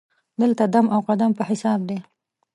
دلته دم او قدم په حساب دی.